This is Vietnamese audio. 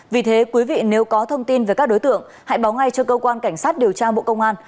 vì thế quý vị nếu có thông tin về các đối tượng hãy báo ngay cho cơ quan cảnh sát điều tra bộ công an